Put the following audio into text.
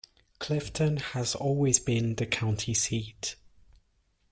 Clifton has always been the county seat.